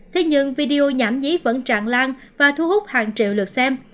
thế nhưng video nhảm dí vẫn trạng lan và thu hút hàng triệu lượt xem